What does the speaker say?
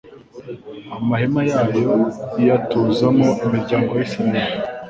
amahema yayo iyatuzamo imiryango ya Israheli